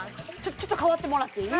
ちょっとかわってもらっていい？